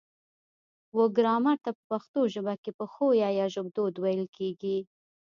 و ګرامر ته په پښتو ژبه کې پښويه يا ژبدود ويل کيږي